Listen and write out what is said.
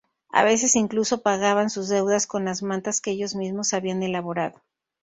A veces incluso pagaban sus deudas con las mantas que ellos mismos habían elaborado.